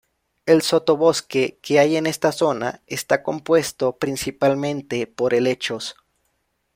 El sotobosque que hay en esta zona está compuesto principalmente por helechos.